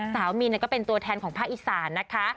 มินก็เป็นตัวแทนของภาคอีสานนะคะ